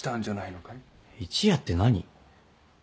一夜って何？